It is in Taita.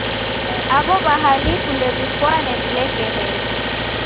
Aw'o w'ahalifu ndew'ifwane w'ilekerelo.